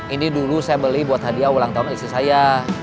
ini dulu saya beli buat hadiah ulang tahun istri saya